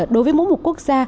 đối với mỗi một quốc gia